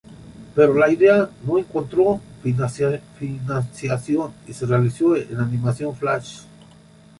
Pero la idea no encontró financiación y se realizó en animación flash.